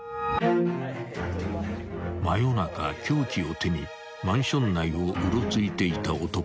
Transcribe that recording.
［真夜中凶器を手にマンション内をうろついていた男］